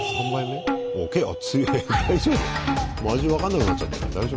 もう味分かんなくなっちゃってない？